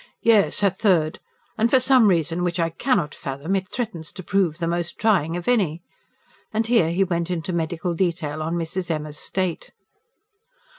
"Yes... her third, and for some reason which I cannot fathom, it threatens to prove the most trying of any." And here he went into medical detail on Mrs. Emma's state.